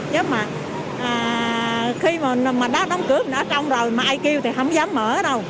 chứ mà khi mà đã đóng cửa mình ở trong rồi mà ai kêu thì không dám mở đâu